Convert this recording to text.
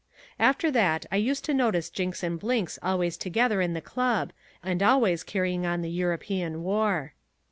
After that I used to notice Jinks and Blinks always together in the club, and always carrying on the European War.